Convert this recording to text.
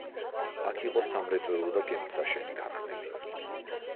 აქ იყო სამრეწველო და გემთსაშენი ქარხნები.